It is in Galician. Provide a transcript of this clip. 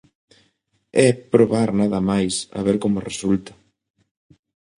É probar nada máis, a ver como resulta.